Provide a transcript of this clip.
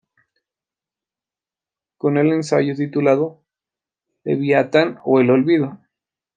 Con el ensayo, titulado ""¿Leviatán o el olvido?